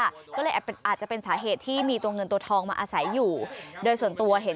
มักคือมาเท่าประตูเท่าที่เห็น